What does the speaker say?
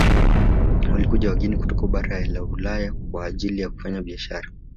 Walikuja wageni kutoka bara la ulaya kwa ajili ya kufanya biasahara